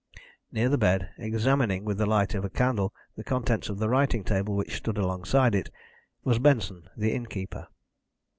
Near the bed, examining with the light of a candle the contents of the writing table which stood alongside of it, was Benson, the innkeeper.